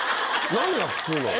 何が普通なの？